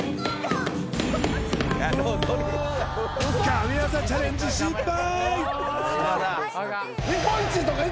神業チャレンジ失敗！